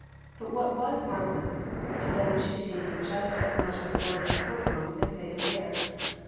But what was marvelous, to them she seemed just as much absorbed in her world as they in theirs.